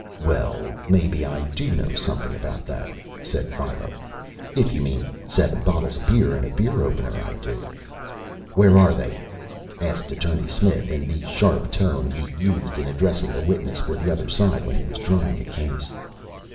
"Well, maybe I do know something about that," said Philo. "If you mean seven bottles of beer and a beer opener, I do." "Where are they?" asked Attorney Smith in the sharp tone he used in addressing a witness for the other side when he was trying a case.